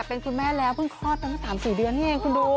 เป็นคุณแม่แล้วเพิ่งคลอดตั้งตั้ง๓๔เดือนเนี่ย